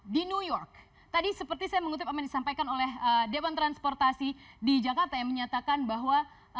di new york tadi seperti saya mengutip apa yang disampaikan oleh dewan transportasi di jakarta yang menyatakan bahwa